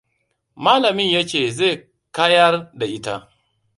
Malamin ya ce zai kayar da ita.